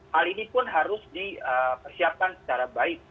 hal ini pun harus dipersiapkan secara baik